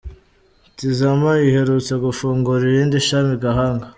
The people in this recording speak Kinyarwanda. Tizama iherutse gufungura irindi shami i Gahanga.